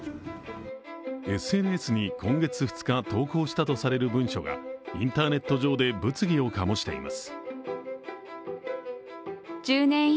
ＳＮＳに今月２日投稿したとされる文書がインターネット上で物議を醸しています。